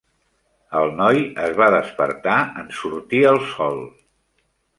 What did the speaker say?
El noi es va despertar en sortir el sol.